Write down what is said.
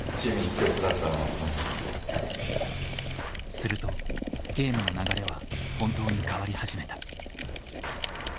するとゲームの流れは本当に変わり始めた。